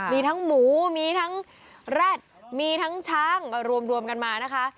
มีทั้งหมูมีทั้งแร็ดมีทั้งช้างก็รวมกันมานะคะ